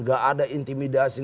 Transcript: gak ada intimidasi